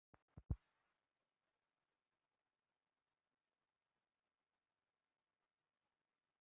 মার্কিন যুক্তরাষ্ট্রে হিন্দু-জনসংখ্যা বিশ্বে অষ্টম বৃহত্তম।